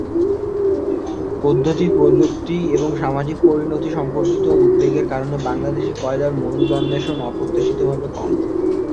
পদ্ধতি, প্রযুক্তি এবং সামাজিক পরিণতি সম্পর্কিত উদ্বেগের কারণে বাংলাদেশী কয়লার মজুদ অন্বেষণ অপ্রত্যাশিতভাবে কম।